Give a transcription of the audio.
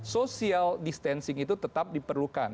social distancing itu tetap diperlukan